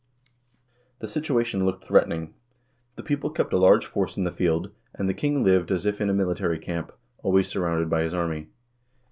The situation looked threatening. The people kept a large force in the field, and the king lived as if in a military camp, always surrounded by his army.